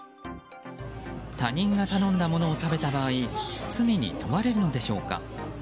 他人が頼んだものを食べた場合罪に問われるのでしょうか。